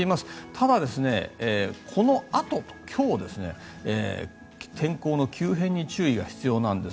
ただ、このあと今日天候の急変に注意が必要なんです。